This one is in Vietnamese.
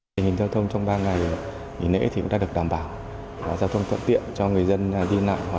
lực lượng cảnh sát giao thông chủ yếu xảy ra trên đường bộ